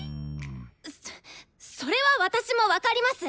そっそれは私も分かります！